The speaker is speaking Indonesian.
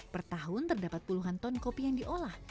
per tahun terdapat puluhan ton kopi yang diolah